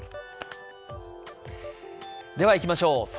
では、いきましょう。